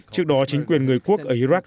trước đó chính quyền người quốc ở iraq